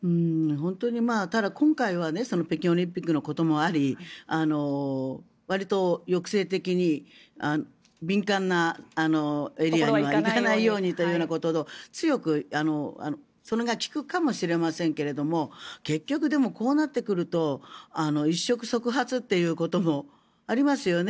ただ、今回は北京オリンピックのこともありわりと抑制的に敏感なエリアには行かないということを強く、それが効くかもしれませんけども結局、こうなってくると一触即発ということもありますよね。